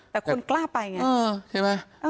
แต่คนกล้าไปไงใช่ไหม